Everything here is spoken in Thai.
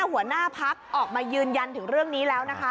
หัวหน้าพักออกมายืนยันถึงเรื่องนี้แล้วนะคะ